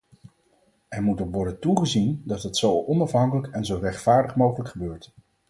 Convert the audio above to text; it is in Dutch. Er moet op worden toegezien dat het zo onafhankelijk en zo rechtvaardig mogelijk gebeurt.